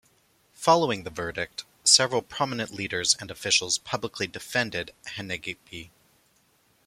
Following the verdict, several prominent leaders and officials publicly defended Hanegbi.